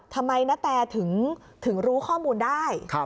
ทำไมนาแตร์ถึงรู้ข้อมูลได้